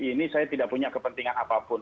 ini saya tidak punya kepentingan apapun